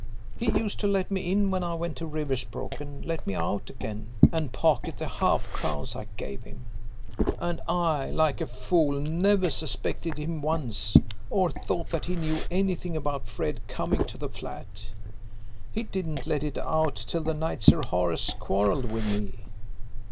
He used to let me in when I went to Riversbrook, and let me out again, and pocket the half crowns I gave him. And I like a fool never suspected him once, or thought that he knew anything about Fred coming to the flat. He didn't let it out till the night Sir Horace quarrelled with me.